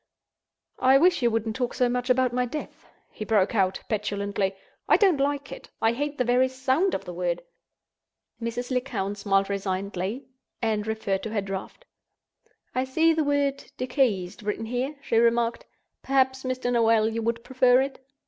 "I wish you wouldn't talk so much about my death," he broke out, petulantly. "I don't like it! I hate the very sound of the word!" Mrs. Lecount smiled resignedly, and referred to her Draft. "I see the word 'decease' written here," she remarked. "Perhaps, Mr. Noel, you would prefer it?"